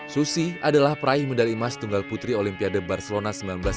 susi adalah peraih medali emas tunggal putri olimpiade barcelona seribu sembilan ratus sembilan puluh